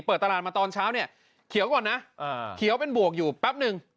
เปิดตลาดมาตอนเช้าเนี่ยเขียวก่อนนะเขียวเป็นบวกอยู่แป๊บนึง